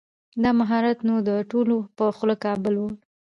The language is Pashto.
دا مهال نو د ټولو په خوله کابل و.